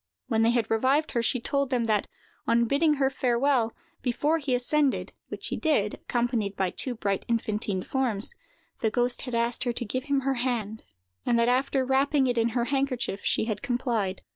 When they had revived her, she told them that, on bidding her farewell, before he ascended—which he did, accompanied by two bright infantine forms—the ghost had asked her to give him her hand; and that, after wrapping it in her handkerchief, she had complied.